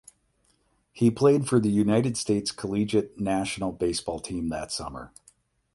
He played for the United States collegiate national baseball team that summer.